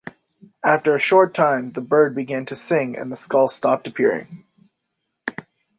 After a short time, the bird began to sing and the skull stopped appearing.